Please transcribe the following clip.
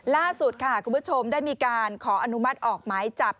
ล่าสุดค่ะคุณผู้ชมได้มีการขออนุมัติออกหมายจับ